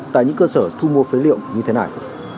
tại những cơ sở thu mua phế liệu như thế này